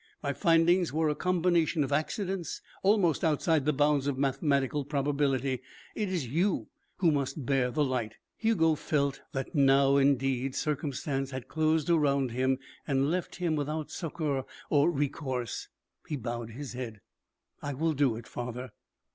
My findings were a combination of accidents almost outside the bounds of mathematical probability. It is you who must bear the light." Hugo felt that now, indeed, circumstance had closed around him and left him without succour or recourse. He bowed his head. "I will do it, father."